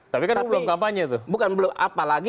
tapi kan belum kampanye itu bukan belum apalagi